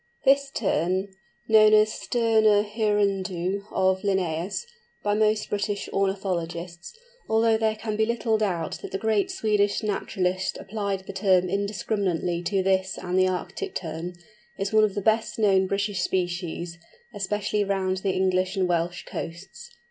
This Tern, known as the Sterna hirundo of Linnæus, by most British ornithologists, although there can be little doubt that the great Swedish naturalist applied the term indiscriminately to this and the Arctic Tern, is one of the best known British species, especially round the English and Welsh coasts.